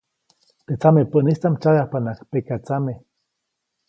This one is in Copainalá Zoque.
Teʼ tsamepäʼnistaʼm tsyabyajpa pekatsame.